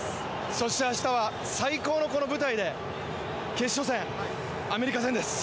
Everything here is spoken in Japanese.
そして、明日は最高の舞台で決勝戦、アメリカ戦です。